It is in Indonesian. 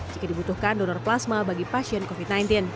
jika dibutuhkan donor plasma bagi pasien covid sembilan belas